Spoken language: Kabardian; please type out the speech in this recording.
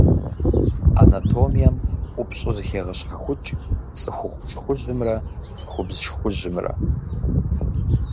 Анатомием ӏупщӏу зэхегъэщхьэхукӏ цӏыхухъу шхужьымрэ цӏыхубз шхужьымрэ.